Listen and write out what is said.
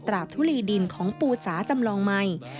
ตราบทุรีดินของปูจ๋าจำลองใหม่